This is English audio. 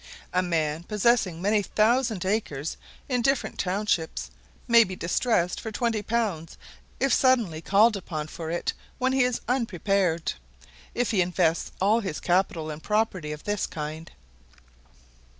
A man possessing many thousand acres in different townships, may be distressed for twenty pounds if suddenly called upon for it when he is unprepared, if he invests all his capital in property of this kind.